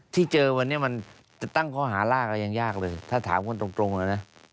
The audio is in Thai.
ที่เจอวันนี้มันจะตั้งข้อหาล่าก็ยังยากเลยถ้าถามกันตรงเลยนะ